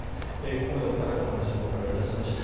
ここまでお二方にお話をお伺いしました。